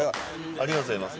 ありがとうございます。